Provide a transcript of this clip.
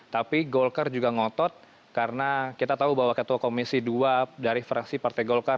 tapi golkar juga ngotot karena kita tahu bahwa ketua komisi dua dari fraksi partai golkar